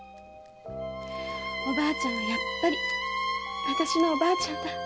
おばあちゃんはやっぱりあたしのおばあちゃんだ。